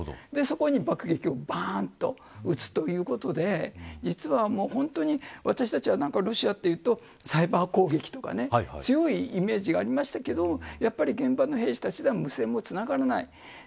そこに爆撃をばーんと撃つということで実は、本当に私たちはロシアというとサイバー攻撃とか強いイメージがありましたけどやはり、現場の兵士たちは無線もつながらない。